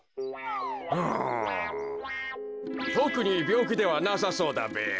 うんとくにびょうきではなさそうだべや。